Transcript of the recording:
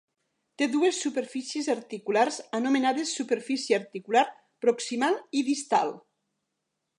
Té dues superfícies articulars anomenades superfície articular proximal i distal.